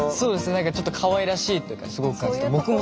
何かちょっとかわいらしいというかすごく感じて。